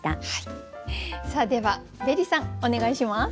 さあではベリさんお願いします！